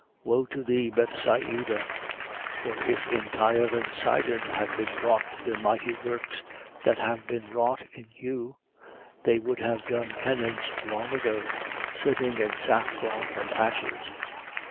Woe to thee, Bethsaida! For if in Tyre and Sidon had been wrought the mighty works that have been wrought in you, they would have done penance long ago, sitting in sackcloth and ashes.